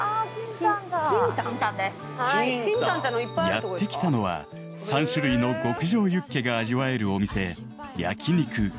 ［やって来たのは３種類の極上ユッケが味わえるお店］